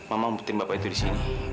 aku mau jemputin bapak itu disini